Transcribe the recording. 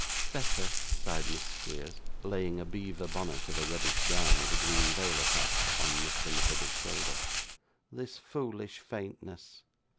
'Better,' sighed Miss Squeers, laying a beaver bonnet of a reddish brown with a green veil attached, on Mr. Nickleby's shoulder. 'This foolish faintness!